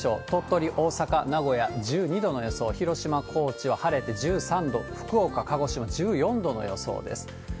鳥取、大阪、名古屋１２度の予想、広島、高知は晴れて１３度、福岡、鹿児島１４度の予想です。